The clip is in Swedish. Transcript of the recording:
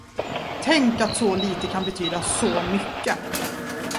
Tänk att så lite kan betyda så mycket.